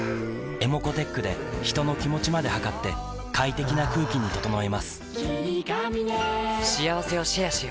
ｅｍｏｃｏーｔｅｃｈで人の気持ちまで測って快適な空気に整えます